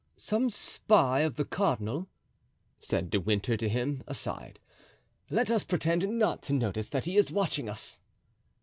"Some spy of the cardinal," said De Winter to him, aside. "Let us pretend not to notice that he is watching us."